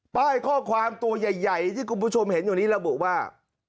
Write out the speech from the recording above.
ป้ายข้อความตัวใหญ่ที่คุณผู้ชมเห็นอยู่นี้ระบุว่า